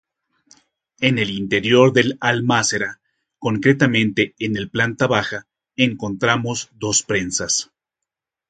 En el interior de la almácera, concretamente en el planta baja, encontramos dos prensas.